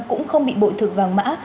cũng không bị bội thực vàng mã